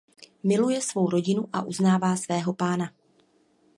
Miluje svou rodinu a uznává svého pána.